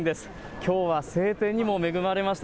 きょうは晴天にも恵まれました。